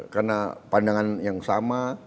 karena pandangan yang sama